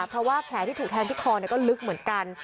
เพราะว่าแผลที่ถูกแทงที่คอก็ลึกเหมือนกัน